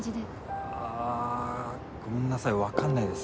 ごめんなさい分かんないです。